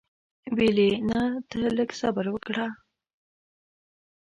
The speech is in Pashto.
ویل یې نه ته لږ صبر وکړه.